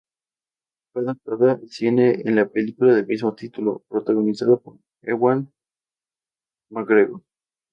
Fue adaptada al cine en la película del mismo título, protagonizada por Ewan McGregor.